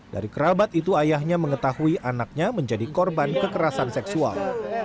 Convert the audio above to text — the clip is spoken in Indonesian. dari kerabat itu ayahnya mengetahui anaknya menjadi korban kekerasan seksual